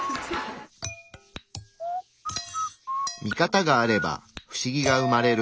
見方があれば不思議が生まれる。